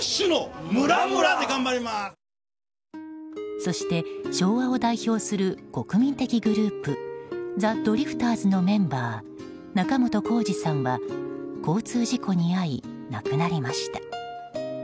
そして昭和を代表する国民的グループザ・ドリフターズのメンバー仲本工事さんは交通事故に遭い亡くなりました。